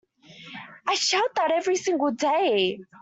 I shout that every single day!